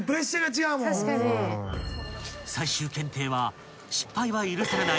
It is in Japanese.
［最終検定は失敗は許されない］